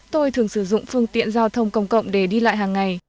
tôi thường sử dụng phương tiện giao thông công cộng để đi lại hàng ngày